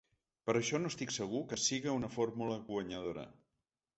Per això no estic segur que siga una fórmula guanyadora.